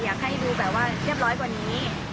อยากให้ดูแบบว่าเรียบร้อยกว่านี้